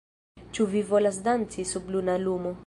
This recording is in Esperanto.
Ĉu vi volas danci sub luna lumo